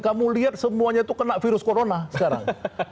kamu lihat semuanya itu kena virus corona sekarang